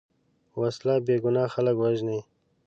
وسله بېګناه خلک وژني